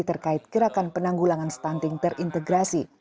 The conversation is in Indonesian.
terkait gerakan penanggulangan stunting terintegrasi